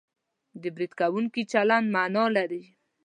د برید کوونکي چلند مانا لري